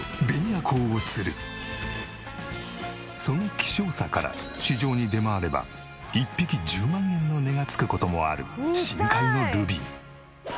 その希少さから市場に出回れば１匹１０万円の値がつく事もある深海のルビー。